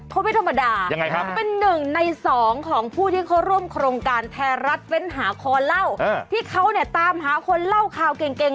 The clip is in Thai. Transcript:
เขาไม่ธรรมดายังไงครับเป็นหนึ่งในสองของผู้ที่เขาร่วมโครงการไทยรัฐเว้นหาคอเล่าที่เขาเนี่ยตามหาคนเล่าข่าวเก่ง